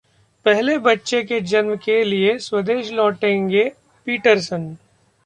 पहले बच्चे के जन्म के लिये स्वदेश लौटेंगे पीटरसन